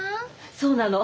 そうなの。